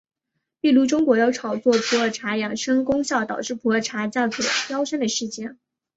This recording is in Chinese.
譬如中国有炒作普洱茶养生功效导致普洱价格飙升的事件。